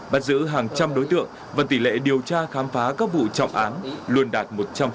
bắt giữ hàng trăm đối tượng và tỷ lệ điều tra khám phá các vụ trọng án luôn đạt một trăm linh